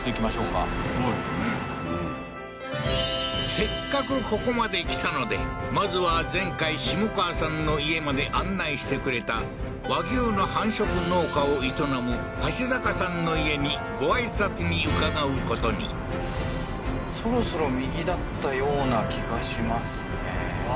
せっかくここまで来たのでまずは前回下川さんの家まで案内してくれた和牛の繁殖農家を営む端坂さんの家にご挨拶に伺うことにそろそろ右だったような気がしますね